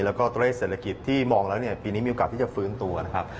แล้วก็ตัวเลขเศรษฐกิจที่มองแล้วเนี่ยปีนี้มีโอกาสที่จะฟื้นตัวนะครับ